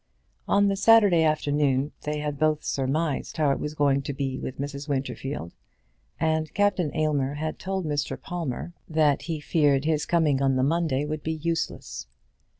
On the Saturday afternoon they had both surmised how it was going to be with Mrs. Winterfield, and Captain Aylmer had told Mr. Palmer that he feared his coming on the Monday would be useless.